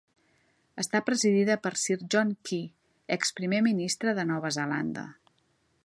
Està presidida per Sir John Key, ex Primer Ministre de Nova Zelanda.